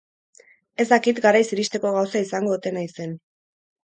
Ez dakit garaiz iristeko gauza izango ote naizen.